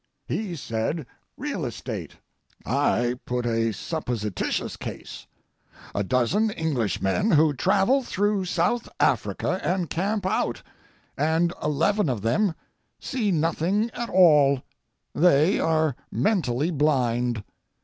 He said real estate. I put a supposititious case, a dozen Englishmen who travel through South Africa and camp out, and eleven of them see nothing at all; they are mentally blind.